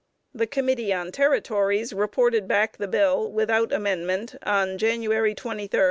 ] The Committee on the Territories reported back the bill without amendment on February 23, 1876.